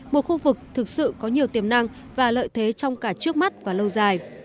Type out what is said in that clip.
một khu vực thực sự có nhiều tiềm năng và lợi thế trong cả trước mắt và lâu dài